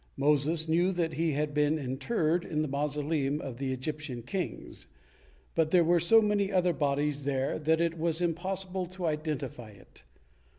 Moses knew that he had been interred in the mausoleum of the Egyptian kings, but there were so many other bodies there that it was impossible to identify it.